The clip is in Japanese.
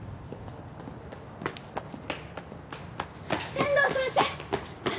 天堂先生！